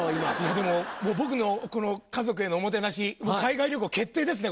でも僕の家族へのおもてなし海外旅行決定ですねこれ。